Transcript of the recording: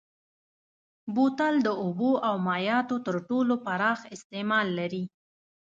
بوتل د اوبو او مایعاتو تر ټولو پراخ استعمال لري.